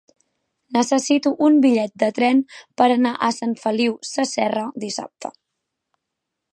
Necessito un bitllet de tren per anar a Sant Feliu Sasserra dissabte.